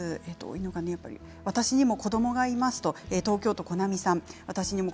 私にも子どもがいますという東京都の方です。